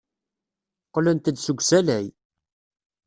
Qqlent-d seg usalay.